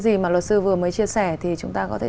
gì mà luật sư vừa mới chia sẻ thì chúng ta có thể